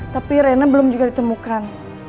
tapi rena belum juga ditemukan